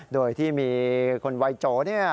โดยที่มีคนวัยโจเนี่ย